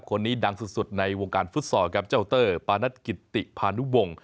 คนนี้ดังสุดในวงการฟุตซอลครับเจ้าเตอร์ปานัทกิตติพานุวงศ์